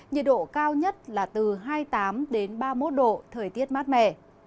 nhiệt độ cao nhất là từ hai mươi tám ba mươi một độ thời tiết mát mẻ